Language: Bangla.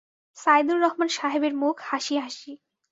সাইদুর রহমান সাহেবের মুখ হাসি-হাসি।